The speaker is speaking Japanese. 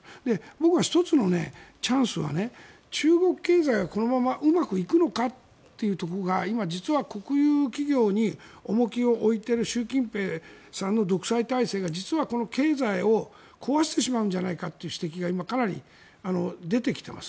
僕は１つのチャンスは中国経済がこのままうまくいくのかというところが今、実は国有企業に重きを置いている習近平さんの独裁体制が実はこの経済を壊してしまうんじゃないかという指摘が今、かなり出てきています。